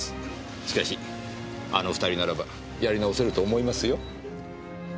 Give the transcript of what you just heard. しかしあの２人ならばやり直せると思いますよ。